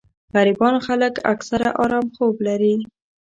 غريبان خلک اکثر ارام خوب لري